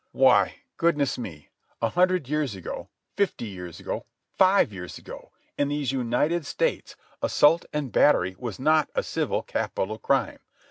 Why, goodness me, a hundred years ago, fifty years ago, five years ago, in these United States, assault and battery was not a civil capital crime.